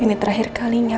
ini terakhir kalinya